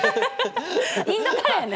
インドカレーね！